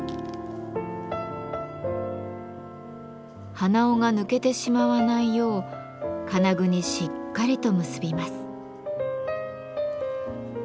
鼻緒が抜けてしまわないよう金具にしっかりと結びます。